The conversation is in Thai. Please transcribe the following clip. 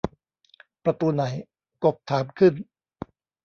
ประตูไหน กบถามขึ้น